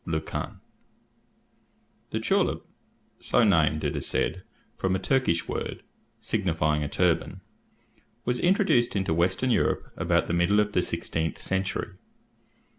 Lucan. The tulip, so named, it is said, from a Turkish word, signifying a turban, was introduced into western Europe about the middle of the sixteenth century.